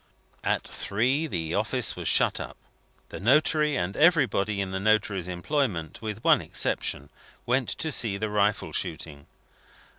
At three, the office was shut up. The notary and everybody in the notary's employment, with one exception, went to see the rifle shooting.